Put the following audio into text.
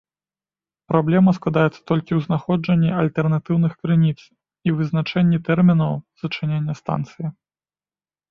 Праблема складаецца толькі ў знаходжанні альтэрнатыўных крыніц і вызначэнні тэрмінаў зачынення станцыі.